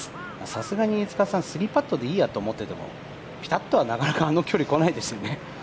さすがに３パットでいいやって思ってても、ピタッとはなかなかあの距離、こないですよね。